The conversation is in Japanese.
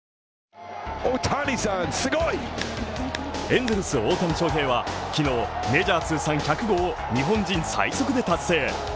エンゼルス・大谷翔平は昨日、メジャー通算１００号を日本人最速で達成。